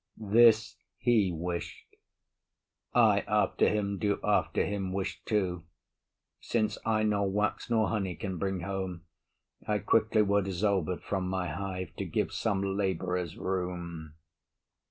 This he wish'd. I, after him, do after him wish too, Since I nor wax nor honey can bring home, I quickly were dissolved from my hive To give some labourers room.